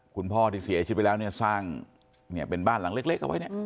คุณพ่อที่เสียชีวิตไปแล้วเนี่ยสร้างเนี่ยเป็นบ้านหลังเล็กเอาไว้เนี่ย